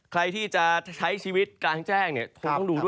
ใครที่จะใช้ชีวิตกลางแจ้งเนี่ยคงต้องดูด้วย